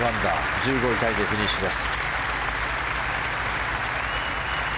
１５位タイでフィニッシュです。